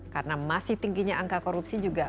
karena masih tingginya angka korupsi juga